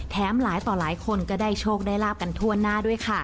หลายต่อหลายคนก็ได้โชคได้ลาบกันทั่วหน้าด้วยค่ะ